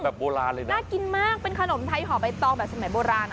โบราณเลยนะน่ากินมากเป็นขนมไทยห่อใบตองแบบสมัยโบราณอ่ะ